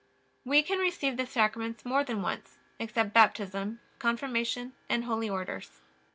We can receive the Sacraments more than once, except Baptism, Confirmation, and Holy Orders.